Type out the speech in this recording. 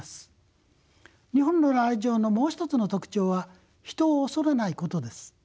日本のライチョウのもう一つの特徴は人を恐れないことです。